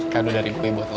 kado dari gue buat lo